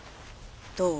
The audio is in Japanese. どう？